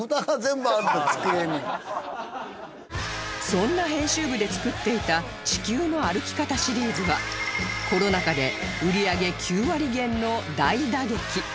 そんな編集部で作っていた『地球の歩き方』シリーズはコロナ禍で売り上げ９割減の大打撃